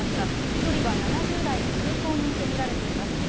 １人は７０代の通行人と見られています。